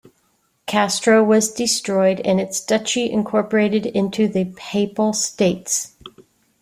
Castro was destroyed and its duchy incorporated into the Papal States.